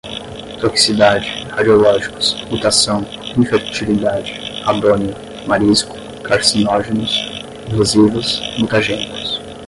toxicidade, radiológicos, mutação, infertilidade, radônio, marisco, carcinógenos, corrosivas, mutagênicos